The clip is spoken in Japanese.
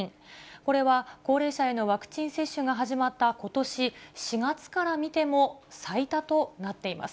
これは高齢者へのワクチン接種が始まったことし４月から見ても、最多となっています。